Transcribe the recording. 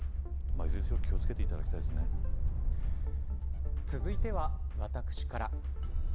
いずれにせよ、気をつけて続いては私から。